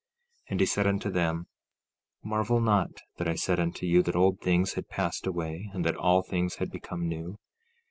15:3 And he said unto them: Marvel not that I said unto you that old things had passed away, and that all things had become new.